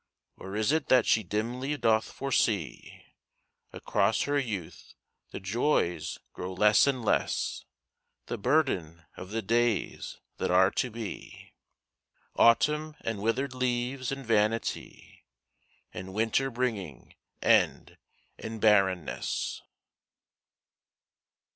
Or is it that she dimly doth foresee Across her youth the joys grow less and less The burden of the days that are to be: Autumn and withered leaves and vanity, And winter bringing end in barrenness.